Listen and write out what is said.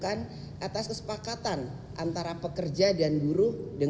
karena kepentingan pelayanan dan perbankan yang lebih penting